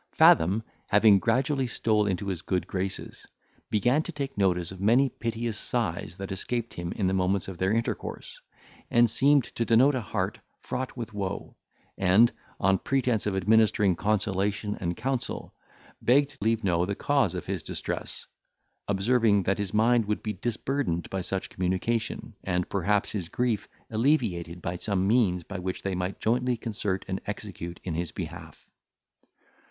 Fathom, having gradually stole into his good graces, began to take notice of many piteous sighs that escaped him in the moments of their intercourse, and seemed to denote an heart fraught with woe; and, on pretence of administering consolation and counsel, begged leave to know the cause of his distress, observing, that his mind would be disburdened by such communication, and, perhaps, his grief alleviated by some means which they might jointly concert and execute in his behalf.